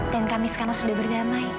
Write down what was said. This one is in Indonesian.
kami sekarang sudah berdamai